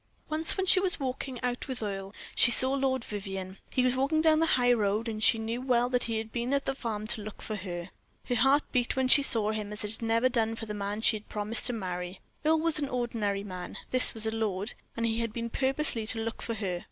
Once, when she was walking out with Earle, she saw Lord Vivianne. He was walking down the high road, and she knew well that he had been at the farm to look for her. Her heart beat when she saw him as it had never done for the man she had promised to marry. Earle was an ordinary man; this was a lord, and he had been purposely to look for her.